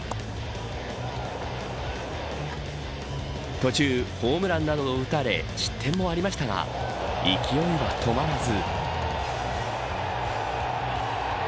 途中、ホームランなどを打たれ失点もありましたが勢いは止まらず。